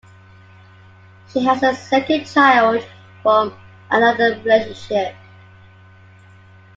She has a second child from another relationship.